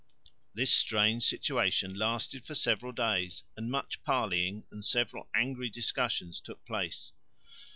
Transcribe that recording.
This strange situation lasted for several days, and much parleying and several angry discussions took place.